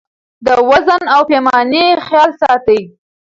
د وزن او پیمانې خیال ساتئ.